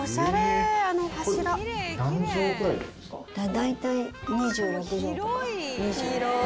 大体２６畳とか？